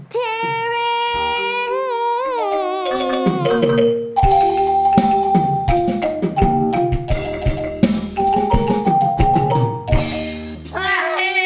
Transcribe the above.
ทีวี